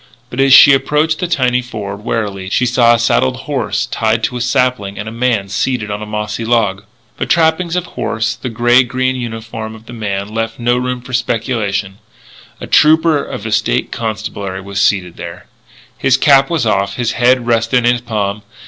But as she approached the tiny ford, warily, she saw a saddled horse tied to a sapling and a man seated on a mossy log. The trappings of horse, the grey green uniform of the man, left no room for speculation; a trooper of the State Constabulary was seated there. His cap was off; his head rested on his palm.